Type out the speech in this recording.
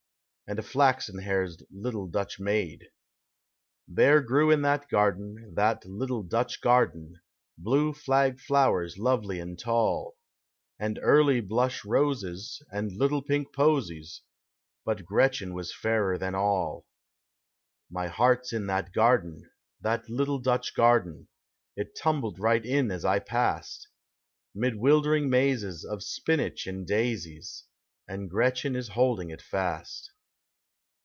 And a Haxen haired little Dutch maid. There grew in that garden, that little Dutch garden, Blue Hag Mowers lovely and tall. And early blush roses, and little pink posies. Hut Gretchen was fairer than all. My heart 's in that garden, that little Dutch garden It tumbled right in as I passed, Mid wildering mazes of spinach and daisies. And Gretchen is holding it fast.